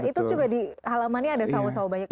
itu juga di halaman ini ada sawo sawo banyak